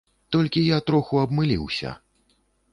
Толькі я троху абмыліўся.